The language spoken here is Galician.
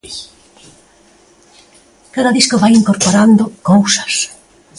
Cada disco vai incorporando cousas.